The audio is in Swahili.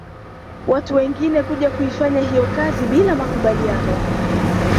Watu wengine kuja kuifanya hiyo kazi bila makubaliano